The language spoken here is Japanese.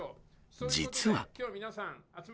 実は。